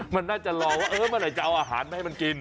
มันน่าจะรอว่าเออเมื่อไหร่จะเอาอาหารมาให้มันกิน